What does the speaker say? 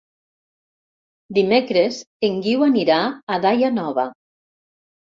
Dimecres en Guiu anirà a Daia Nova.